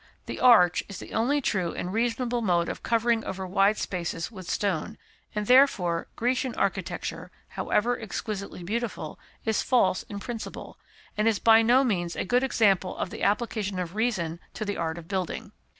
The arch is the only true and reasonable mode of covering over wide spaces with stone, and therefore, Grecian architecture, however exquisitely beautiful, is false in principle, and is by no means a good example of the application of reason to the art of building.